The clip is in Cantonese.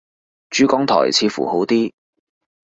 珠江台似乎好啲